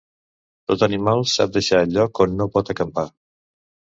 Tot animal sap deixar el lloc on no pot acampar.